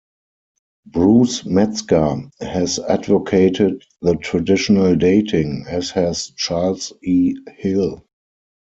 Bruce Metzger has advocated the traditional dating, as has Charles E. Hill.